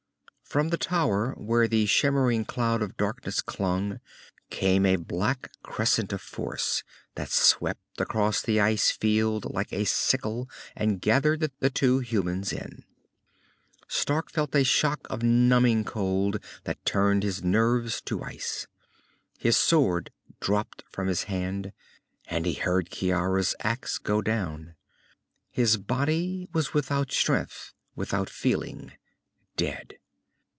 From the tower where the shimmering cloud of darkness clung came a black crescent of force that swept across the ice field like a sickle and gathered the two humans in. Stark felt a shock of numbing cold that turned his nerves to ice. His sword dropped from his hand, and he heard Ciara's axe go down. His body was without strength, without feeling, dead.